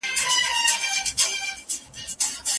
ما پرون د ګل تصویر جوړ کړ ته نه وې